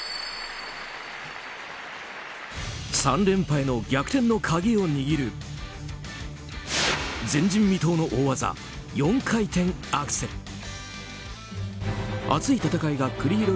３連覇への逆転の鍵を握る前人未到の大技、４回転アクセル。